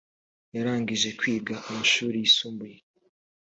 yarangije kwiga amashuri yisumbuye